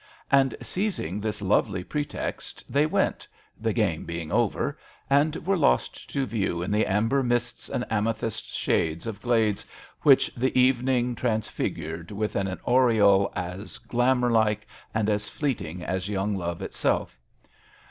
And, seizing this lovely pretext, they went — the game being over — and were lost to view in the amber mists and amethyst 196 MISS AWDREY AT HOMB. shadows of glades which the evening transfigured with an aureole as glamour like and as fleeting as young love itself.